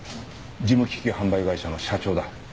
事務機器販売会社の社長だ。